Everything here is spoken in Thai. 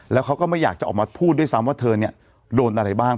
แล้วเขาก็ไม่อยากจะออกมาพูดด้วยซ้ำว่าเธอเนี่ยโดนอะไรบ้าง